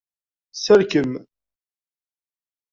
Serkem.